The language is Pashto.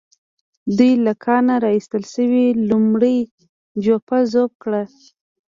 دوی له کانه را ايستل شوې لومړۍ جوپه ذوب کړه.